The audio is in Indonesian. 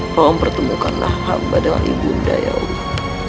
tolong pertemukanlah hamba dengan ibunda ya allah